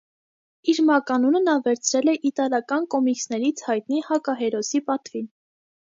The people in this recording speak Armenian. Իր մականունը նա վերցրել է իտալական կոմիքսներից հայտնի հակահերոսի պատվին։